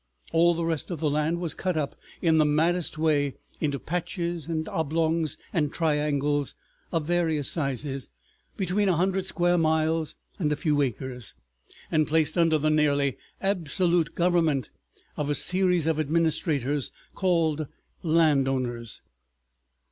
All the rest of the land was cut up in the maddest way into patches and oblongs and triangles of various sizes between a hundred square miles and a few acres, and placed under the nearly absolute government of a series of administrators called landowners.